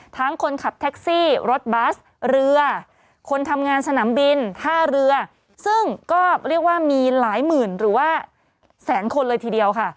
คนขับแท็กซี่รถบัสเรือคนทำงานสนามบินท่าเรือซึ่งก็เรียกว่ามีหลายหมื่นหรือว่าแสนคนเลยทีเดียวค่ะ